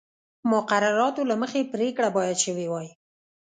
مقرراتو له مخې پرېکړه باید شوې وای